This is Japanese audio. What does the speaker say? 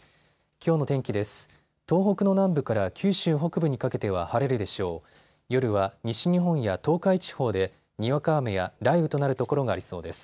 きょうの天気です。